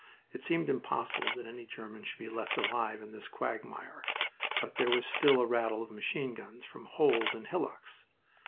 It seemed impossible that any German should be left alive in this quagmire, but there was still a rattle of machine guns from holes and hillocks.